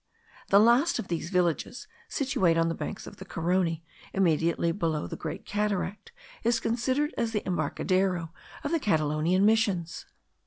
The last of these villages, situate on the banks of the Carony, immediately below the great cataract, is considered as the embarcadero of the Catalonian missions.